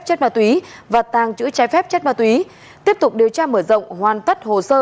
chất ma túy và tàng trữ trái phép chất ma túy tiếp tục điều tra mở rộng hoàn tất hồ sơ